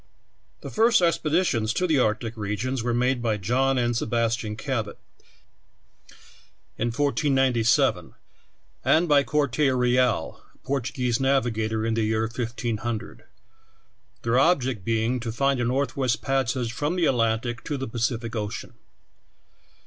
The first expeditions to the arctic regions were made by John and Sebastian Cabot, in 1497, and bv Corte Real, a Portuguese navigator, in the year 1500; their object being to find a northwest pas sage from the Atlantic to the Pacific ocean.